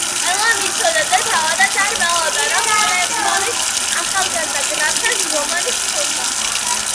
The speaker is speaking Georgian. ყველამ იცოდა და თავადაც არ მალავდა, რომ კლერმონის ახალგაზრდა გრაფთან რომანი ჰქონდა.